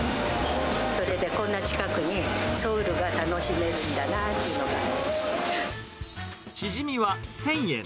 それでこんな近くにソウルが楽しチヂミは１０００円。